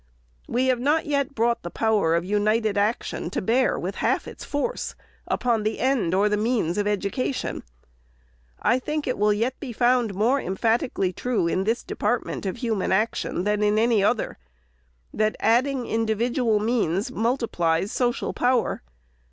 We have not yet brought the power of united action to bear with half its force upon the end or the means of education. I think it will yet be found more em phatically true in this department of human action, than in any other, that adding individual means muliplies social power.